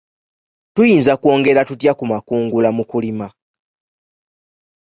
Tuyinza kwongera tutya ku makungula mu kulima?